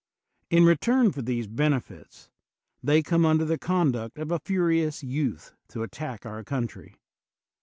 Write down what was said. In return for these benefits, they come under the conduct of a furious youth to attack our country.